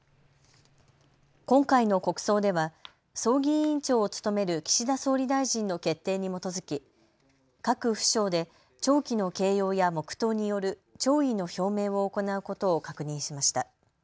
今回の国葬では葬儀委員長を務める岸田総理大臣の決定に基づき各府省で弔旗の掲揚や黙とうによる弔意の表明を行うことを確認しました。